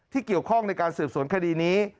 เกี่ยวข้องในการสืบสวนคดีนี้